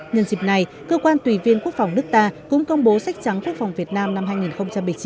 nhân dịp này cơ quan tùy viên quốc phòng nước ta cũng công bố sách trắng quốc phòng việt nam năm hai nghìn một mươi chín